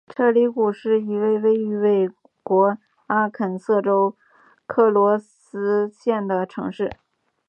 彻里谷是一个位于美国阿肯色州克罗斯县的城市。